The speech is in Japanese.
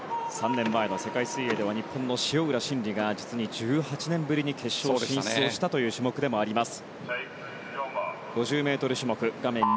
３年前の世界水泳では日本の塩浦慎理が実に１８年ぶりに決勝進出したという種目でもあります。